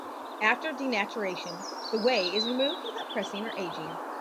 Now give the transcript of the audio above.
After denaturation, the whey is removed without pressing or aging.